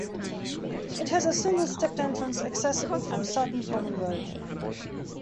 It has a single stepped entrance accessible from Sutton Common Road.